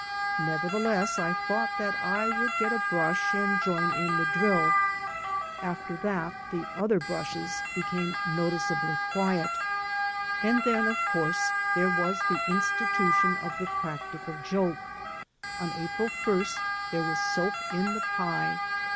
Never theless, I thought that I would get a brush and join in the drill. After that the other brushes became notice ably quiet. And then, of course, there was the institution of the practical joke. On April 1st there was soap in the pie.